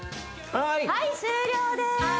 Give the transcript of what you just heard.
はい終了です